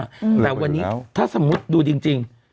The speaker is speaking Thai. เพราะว่าอาจรู้แล้วถ้าสมมุติดูเป็นจริง